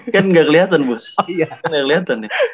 kan gak keliatan bos